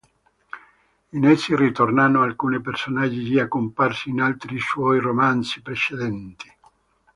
In essi ritornano alcuni personaggi già comparsi in altri suoi romanzi precedenti.